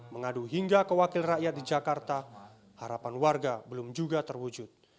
mengadu hingga ke wakil rakyat di jakarta harapan warga belum juga terwujud